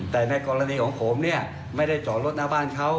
แต่ในกรณีของผมเนี่ยไม่ได้จอดรถหน้าบ้านเขา